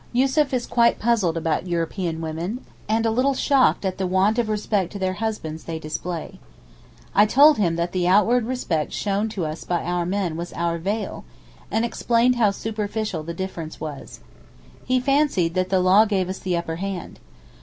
Yussuf is quite puzzled about European women, and a little shocked at the want of respect to their husbands they display. I told him that the outward respect shown to us by our men was our veil, and explained how superficial the difference was. He fancied that the law gave us the upper hand.